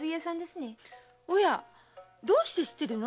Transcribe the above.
おやどうして知ってるの？